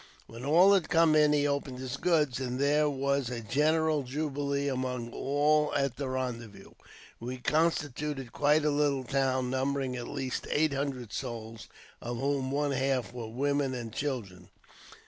When all had come in, he opened his goods, and there was a general jubilee among all at the rendezvous. We constituted quite a little town, numbering at least eight hundred souls, of whom one half were women and children.